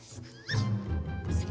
serupa banget sih